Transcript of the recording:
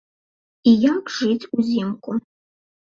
І як жыць узімку.